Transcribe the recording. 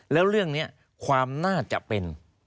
แล้วเรื่องนี้ความน่าจะเป็น